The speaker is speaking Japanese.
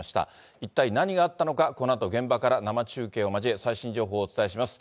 一体何があったのか、このあと現場から生中継を交え、最新情報をお伝えします。